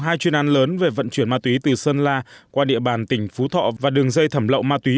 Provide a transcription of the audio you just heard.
hai chuyên án lớn về vận chuyển ma túy từ sơn la qua địa bàn tỉnh phú thọ và đường dây thẩm lậu ma túy